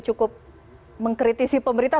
cukup mengkritisi pemerintah